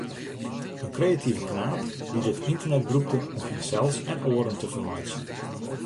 In kreative knaap, dy’t it ynternet brûkte om himsels en oaren te fermeitsjen.